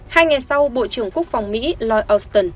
hai ngày sau bộ trưởng quốc phòng mỹ lloyd auston